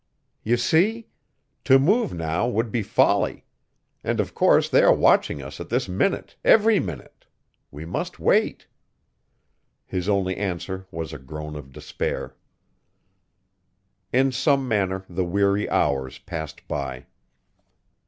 "You see. To move now would be folly. And of course they are watching us at this minute every minute. We must wait." His only answer was a groan of despair. In some manner the weary hours passed by.